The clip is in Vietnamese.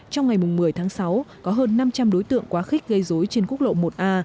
trong ngày một mươi tháng sáu có hơn năm trăm linh đối tượng quá khích gây dối trên quốc lộ một a